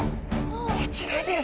こちらです。